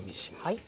はい。